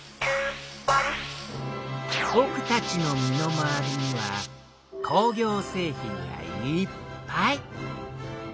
ぼくたちの身の回りには工業製品がいっぱい！